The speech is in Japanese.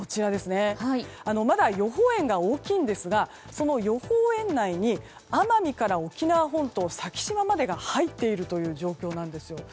まだ予報円が大きいんですがその予報円内に奄美から沖縄本島、先島までが入っているという状況なんです。